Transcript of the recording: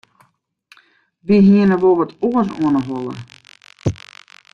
Wy hiene wol wat oars oan 'e holle.